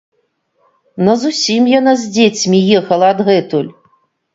Назусім яна з дзецьмі ехала адгэтуль.